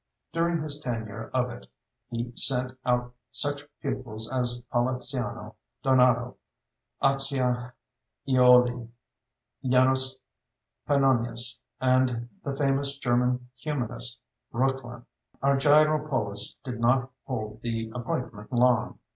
During his tenure of it he sent out such pupils as Poliziano, Donato Acciaiuoli, Janus Pannonius, and the famous German humanist Reuchlin. Argyropoulos did not hold the appointment long.